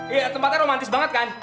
iya tempatnya romantis banget kan